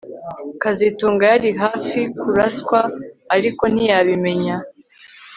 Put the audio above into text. kazitunga yari hafi kuraswa ariko ntiyabimenya